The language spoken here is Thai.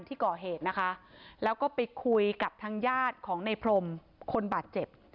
ที่ก่อเหตุนะคะแล้วก็ไปคุยกับทางญาติของในพรมคนบาดเจ็บ